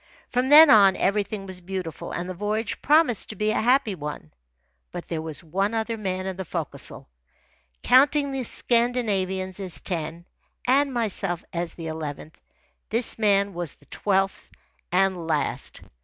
From then on, everything was beautiful, and the voyage promised to be a happy one. But there was one other man in the forecastle. Counting the Scandinavians as ten, and myself as the eleventh, this man was the twelfth and last.